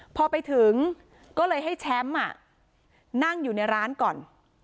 พอไปถึงก็เลยให้แชมป์นั่งอยู่ในร้านก่อน